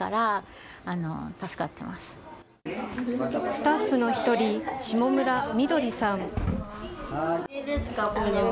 スタッフの１人、下村美鳥さん。